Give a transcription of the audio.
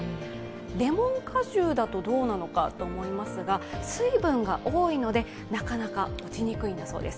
レモン果汁だとどうなのかと思いますが水分が多いので、なかなか落ちにくいんだそうです。